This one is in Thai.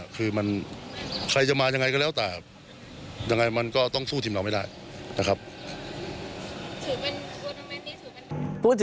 พูดถึงอินโดนีต